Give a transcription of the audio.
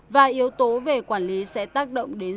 vài yếu tố về quản lý sẽ tăng